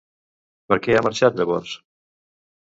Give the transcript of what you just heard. Per què ha marxat llavors?